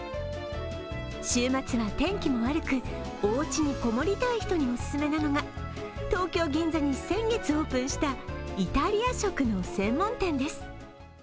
週末は天気が悪くおうちにこもりたい人にお勧めなのが東京・銀座に先月オープンしたイタリア食の専門店です。